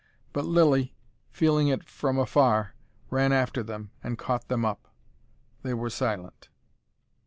But Lilly, feeling it from afar, ran after them and caught them up. They were silent.